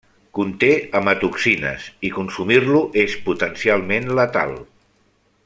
Conté amatoxines i consumir-lo és potencialment letal.